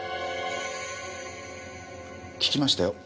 聞きましたよ。